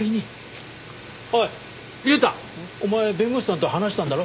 おい隆太お前弁護士さんと話したんだろ？